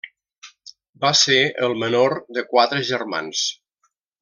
Va ser el menor de quatre germans.